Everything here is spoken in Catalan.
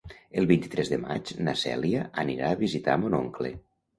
El vint-i-tres de maig na Cèlia anirà a visitar mon oncle.